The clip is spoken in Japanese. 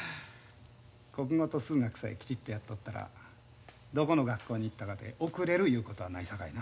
国語と数学さえきちっとやっとったらどこの学校に行ったかて遅れるいうことはないさかいな。